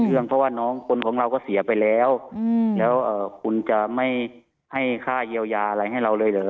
เรื่องเพราะว่าน้องคนของเราก็เสียไปแล้วแล้วคุณจะไม่ให้ค่าเยียวยาอะไรให้เราเลยเหรอ